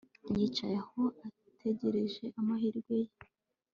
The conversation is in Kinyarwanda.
yicaye aho ategereje amahirwe ye